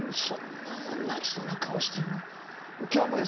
そんな泣きそうな顔してもう。